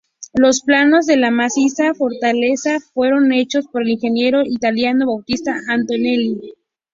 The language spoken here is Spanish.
Los planos de la maciza fortaleza fueron hechos por el ingeniero italiano Bautista Antonelli.